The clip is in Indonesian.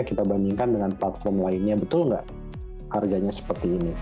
kita bandingkan dengan platform lainnya betul nggak harganya seperti ini